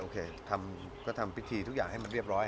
เราก็ทำวิธีทุกอย่างไปให้เรียบร้อย